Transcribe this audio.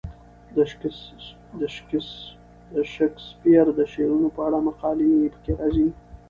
د شکسپیر د شعرونو په اړه مقالې پکې راځي.